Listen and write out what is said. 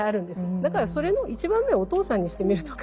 だからそれの１番目をお父さんにしてみるとか。